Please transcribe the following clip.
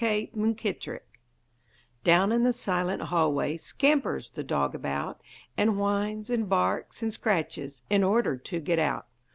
K. MUNKITTRICK Down in the silent hallway Scampers the dog about, And whines, and barks, and scratches, In order to get out.